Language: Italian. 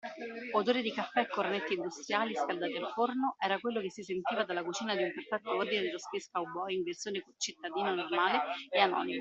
Odore di caffè e cornetti industriali scaldati al forno era quello che si sentiva nella cucina in perfetto ordine dello Space Cowboy in versione cittadino normale e anonimo.